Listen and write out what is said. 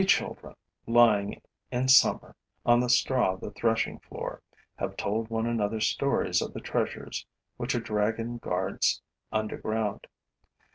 We children, lying, in summer, on the straw of the threshing floor, have told one another stories of the treasures which a dragon guards underground.